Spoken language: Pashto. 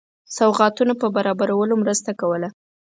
سوغاتونو په برابرولو مرسته کوله.